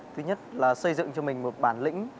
thứ nhất là xây dựng cho mình một bản lĩnh